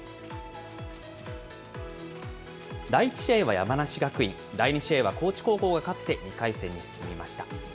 第１試合は山梨学院、第２試合は高知高校が勝って２回戦に進みました。